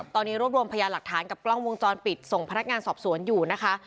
ตอนนี้รวบรวมพยานหลักฐานกับกล้องวงจรปิดส่งพนักงานสอบสวนอยู่นะคะ